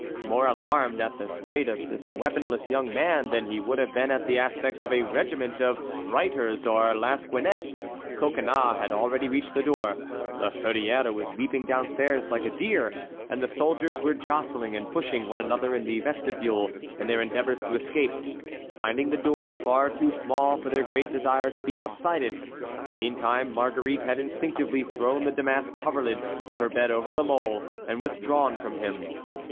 More alarmed at the sight of this weaponless young man than he would have been at the aspect of a regiment of reiters or lansquenets, Coconnas had already reached the door. La Hurière was leaping downstairs like a deer, and the soldiers were jostling and pushing one another in the vestibule in their endeavors to escape, finding the door far too small for their great desire to be outside it. Meantime Marguerite had instinctively thrown the damask coverlid of her bed over La Mole, and withdrawn from him.